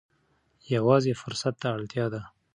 یوازې فرصت ته اړتیا ده.